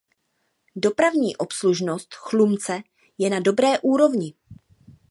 Dopravní obslužnost Chlumce je na dobré úrovni.